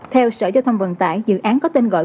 theo sở giao thông vận tải dự án có tên gọi